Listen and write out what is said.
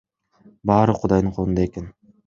Баары Кудайдын колунда экен.